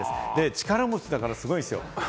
力持ちだから、すごいんですよ。